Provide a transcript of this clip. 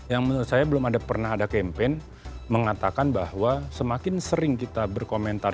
yang menurut saya belum pernah ada campaign mengatakan bahwa semakin sering kita berkomentar